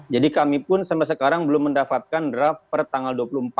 jadi kami pun sampai sekarang belum mendapatkan draft per tanggal dua puluh empat